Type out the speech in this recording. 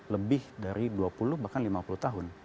lebih dari dua puluh bahkan lima puluh tahun